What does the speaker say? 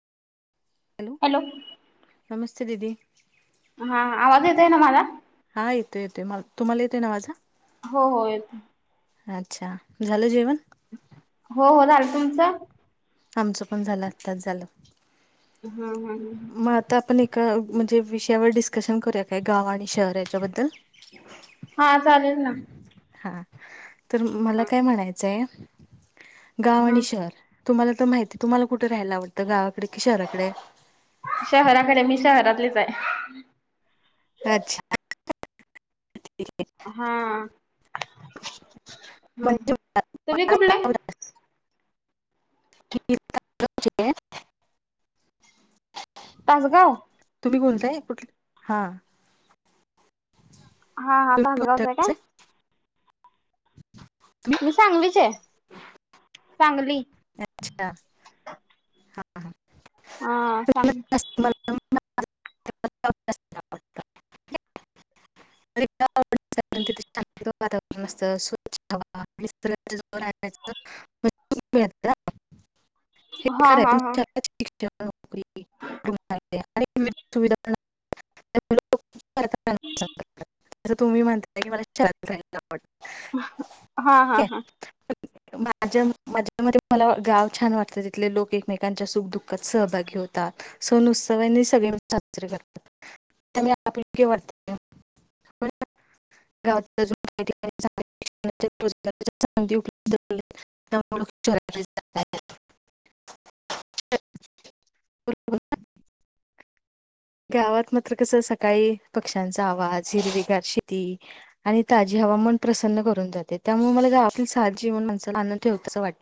Hello. नमस्ते दीदी. हां आवाज येतोय ना माझा? हा येतोय येतोय मला, तुम्हाला येतोय ना माझा? हो हो येतो. अच्छा, झालं जेवण? हो हो झालं तुमचं? आमचं पण झालं, आत्ताच झालं. हां हां हं हं म आता आपण एका म्हणजे विषयावर डिस्कशन करूया काय गाव आणि शहर याच्याबद्दल? [inaudible] हा चालेल ना. हा तर मला काय म्हणायचंय. गाव आणि हा शहर तुम्हाला त माहितीय, तुम्हाला कुठे राहायला आवडतं गावाकडे कि शहराकडे? शहराकडे मी शहरातलीचाय. अच्छा हा ह म्हणजे तुम्ही कुटले. [inaudible] [unintelligible] तासगाव? तुम्ही बोलताय कुठलं, हा हा हा तुम्ही कोणत्या तासगावचंय काय? गावचे तुम्ही मी सांगलीचीये, सांगली. अच्छा हा हा सांग [unintelligible] [unintelligible] [unintelligible] [unintelligible] हे हा खरं हा हा [unintelligible] [unintelligible] परत कर तसं तुम्ही म्हणताय की [unintelligible] हा हा ठीके हा माझ्या माझ्या मते मला गाव छान वाटतं, तिथले लोक एकमेकांच्या सुख दुःखात सहभागी होतात. सण उत्सव [unintelligible] सगळे साजरी करतात त्यामुळे आपुलकी वाढते. [unintelligible] [unintelligible] गावातनं तर कसं सकाळी पक्षांचा आवाज हिरवीगार शेती आणि ताजी हवा मन प्रसन्न करून जाते त्यामुळे मला गावातलं साजीवन [unintelligible]